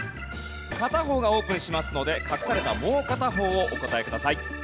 片方がオープンしますので隠されたもう片方をお答えください。